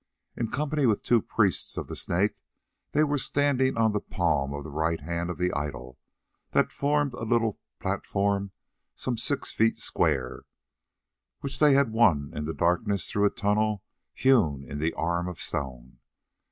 In company with two priests of the Snake, they were standing on the palm of the right hand of the idol, that formed a little platform some six feet square, which they had won in the darkness through a tunnel hewn in the arm of stone.